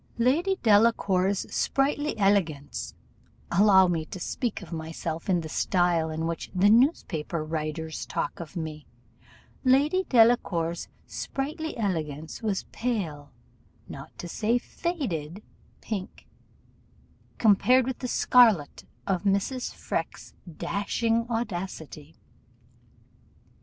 Lady Delacour's sprightly elegance allow me to speak of myself in the style in which the newspaper writers talk of me Lady Delacour's sprightly elegance was but pale, not to say faded pink, compared with the scarlet of Mrs. Freke's dashing audacity.